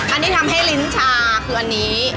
อันนี้ทำให้ลิ้นชาคืออันนี้